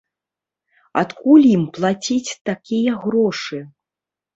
Адкуль ім плаціць такія грошы?